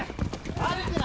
歩くな！